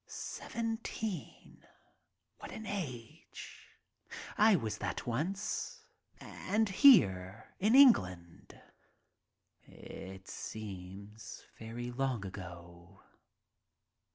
Seventeen ! What an age ! I was that once — and here, in England. It seems very long ago.